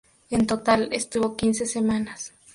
En total, estuvo quince semanas.